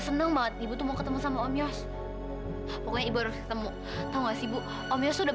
selama ini kan lo judes sama gue jahat